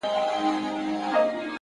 صبر د پخې پرېکړې ملګری دی؛